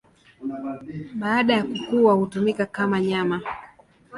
Baada ya kukua hutumika kama nyama.